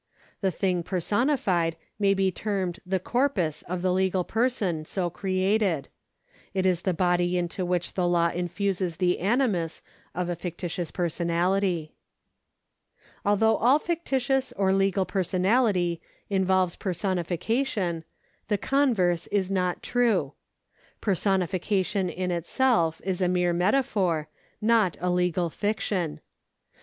The thing personified may be termed the corpus of the legal person so created ; it is the body into which the law infuses the animus of a fictitious personality. Although all fictitious or legal personality involves per sonification, the converse is not true. Personification in itself is a mere metaphor, not a legal fiction.